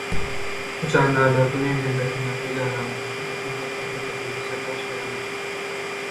Bu jandarlar gün energiýasyndan peýdalanyp fotosintez hadysasyny geçirip ýaşaýarlar.